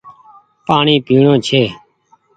پآڻيٚ پيڻو ڇي